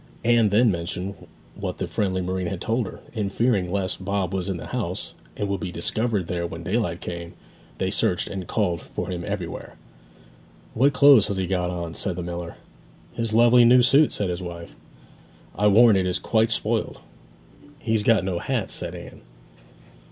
Anne then mentioned what the friendly marine had told her; and fearing lest Bob was in the house, and would be discovered there when daylight came, they searched and called for him everywhere. 'What clothes has he got on?' said the miller. 'His lovely new suit,' said his wife. 'I warrant it is quite spoiled!' 'He's got no hat,' said Anne.